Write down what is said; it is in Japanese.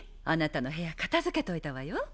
あなたの部屋片づけといたわよ。